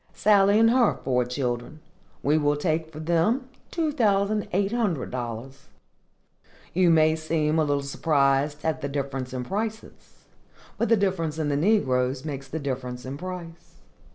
Sally and her four children. We will take for them two thousand eight hundred dollars. You may seem a little surprised at the difference in prices, but the difference in the negroes makes the difference in price.